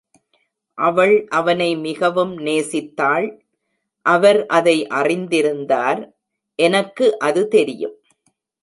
அவள் அவனை மிகவும் நேசித்தாள்; அவர் அதை அறிந்திருந்தார், எனக்கு அது தெரியும்.